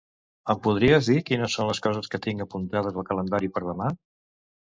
Em podries dir quines són les coses que tinc apuntades al calendari per demà?